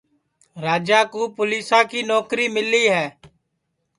راجا کُو پُولِیسا کی نوکری مِلی ہے